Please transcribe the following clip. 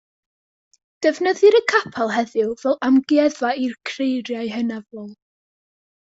Defnyddir y capel heddiw fel amgueddfa i'r creiriau hynafol.